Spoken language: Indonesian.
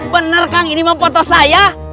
bener kang ini mau foto saya